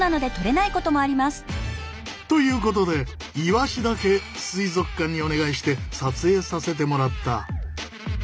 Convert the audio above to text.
社長！ということでイワシだけ水族館にお願いして撮影させてもらった。